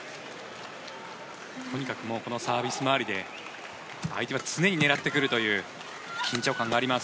とにかくこのサービス周りで相手は常に狙ってくるという緊張感があります。